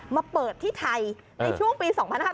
มาเปิดที่ไทยในช่วงปี๒๕๕๙